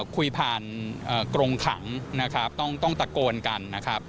คุยผ่านกรงขังต้องตะโกนกัน